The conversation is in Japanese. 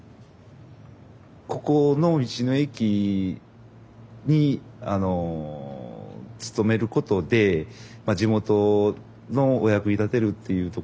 ここの道の駅に勤めることで地元のお役に立てるっていうところもありますし